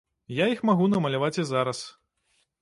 Я іх магу намаляваць і зараз.